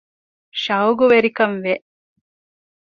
ޝައުޤުވެރިކަން ވެ